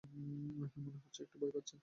মনে হচ্ছে একটু ভয় পাচ্ছেন।